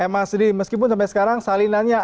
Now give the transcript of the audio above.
ma sendiri meskipun sampai sekarang salinannya